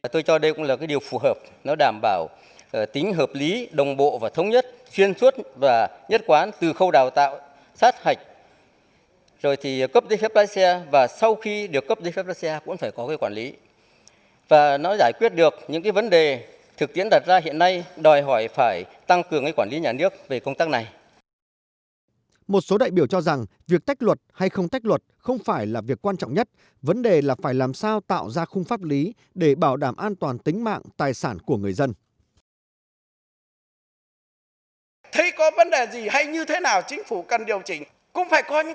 trong đó ngành công an có nhiệm vụ bảo đảm trật tự an toàn giao thông trong đó có đào tạo sát hạch cấp giấy phép lái xe còn ngành giao thông quy định về kết cấu hạ tầng giao thông